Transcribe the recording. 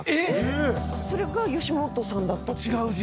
それが吉本さんだった？